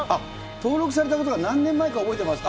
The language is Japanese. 登録されたことが何年前か覚えてますか？